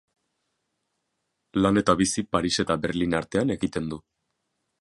Lan eta bizi Paris eta Berlin artean egiten du.